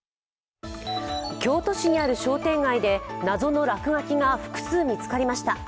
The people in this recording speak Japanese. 京都市にある商店街で謎の落書きが複数、見つかりました。